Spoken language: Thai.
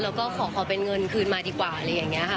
แล้วก็ขอเป็นเงินคืนมาดีกว่าอะไรอย่างนี้ค่ะ